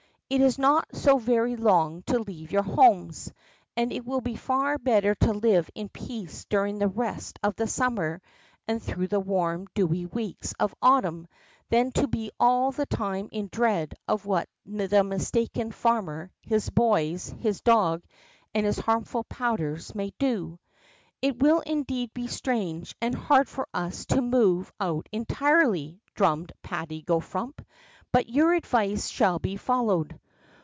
It is not so very long to leave your homes, and it will be far better to live in peace during the rest of the summer and through the warm, dewy weeks of autumn, than to be all the time in dread of what the mistaken farmer, his boys, his dog, and his harmful powders may do.'' It will indeed be strange and hard for us to move out entirely," drummed Patty go Frump, but your advice shall be followed."